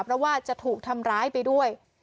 เพราะว่าจะถูกทำร้ายไปด้วย